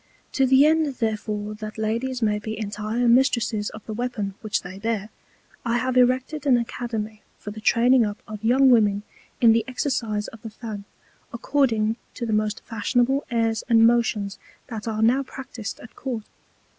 To the end therefore that Ladies may be entire Mistresses of the Weapon which they bear, I have erected an Academy for the training up of young Women in the Exercise of the Fan, according to the most fashionable Airs and Motions that are now practis'd at Court.